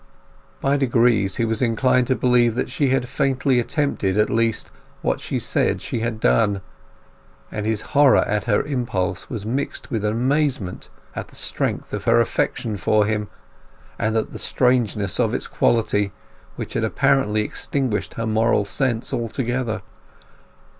By degrees he was inclined to believe that she had faintly attempted, at least, what she said she had done; and his horror at her impulse was mixed with amazement at the strength of her affection for himself, and at the strangeness of its quality, which had apparently extinguished her moral sense altogether.